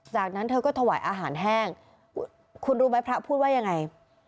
จากนั้นเธอก็ถวายอาหารแห้งคุณรู้ไหมพระพูดว่ายังไง